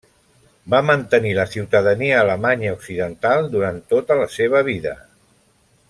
Va mantenir la ciutadania alemanya occidental durant tota la seva vida.